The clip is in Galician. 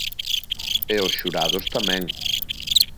E os xurados tamén.